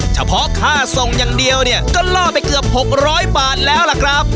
เฉพาะค่าส่งอย่างเดียวเนี่ยก็ล่อไปเกือบ๖๐๐บาทแล้วล่ะครับ